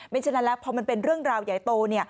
ฉะนั้นแล้วพอมันเป็นเรื่องราวใหญ่โต